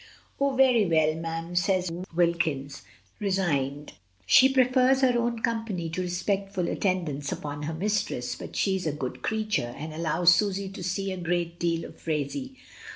"Oh! very well, mem," says Wilkins, resigned. She prefers her own company to respectful attend ance upon her mistress, but she is a good creature, and allows Susy to see a great deal of Phraisie.